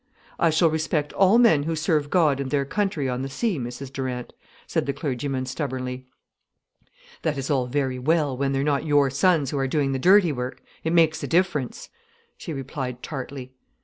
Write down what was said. "I shall respect all men who serve God and their country on the sea, Mrs Durant," said the clergyman stubbornly. "That is very well, when they're not your sons who are doing the dirty work. It makes a difference," she replied tartly.